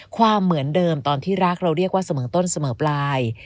ความเหมือนเดิมตอนที่รักเราเรียกว่าเสมอต้นเสมอปลาย